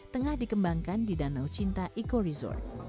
tengah dikembangkan di danau cinta eco resort